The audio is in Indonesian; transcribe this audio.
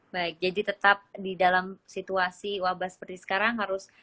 baik jadi tetap di dalam situasi wabah seperti sekarang harus